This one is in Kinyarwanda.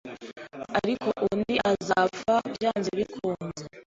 ariko undi azapfa byanze bikunze,